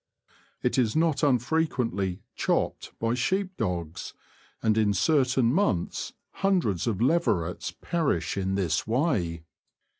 It is not un frequently *^ chopped " by sheep dogs, and m certain months hundreds of leverets perish in this way.